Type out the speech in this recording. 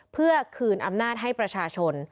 เพื่อคืนอำนาจให้ประชาชน